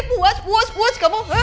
puas puas puas kamu